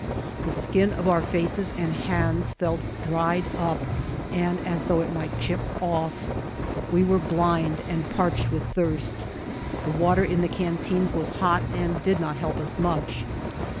The skin of our faces and hands felt dried up and as though it might chip oflf. We were blind and parched with thirst. The water in the canteens was hot and did not help us much.